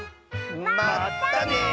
まったね！